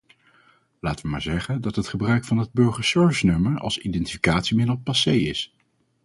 Laten we maar zeggen dat het gebruik van het burgerservicenummer als identificatiemiddel passé is.